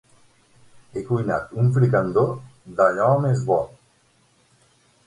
He cuinat un fricandó d'allò més bo.